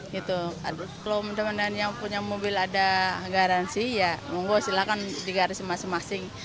kalau mendemani yang punya mobil ada garansi ya silakan di garasi masing masing